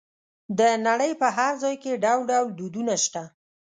د نړۍ په هر ځای کې ډول ډول دودونه شته.